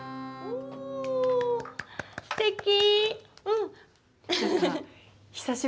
すてき。